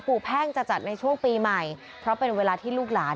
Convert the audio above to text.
แพ่งจะจัดในช่วงปีใหม่เพราะเป็นเวลาที่ลูกหลาน